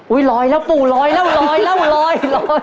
อุ้ยลอยแล้วปู่ลอยแล้วลอยแล้วลอย